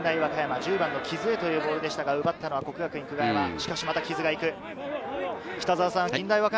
１０番の木津へというボールでしたが、奪ったのは國學院久我山。